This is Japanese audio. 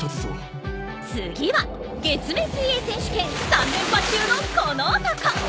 次は月面水泳選手権３連覇中のこの男。